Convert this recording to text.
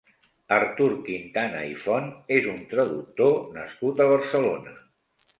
Artur Quintana i Font és un traductor nascut a Barcelona.